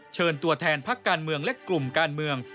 เชิญตัวแทนพักการเมืองและกลุ่มการเมือง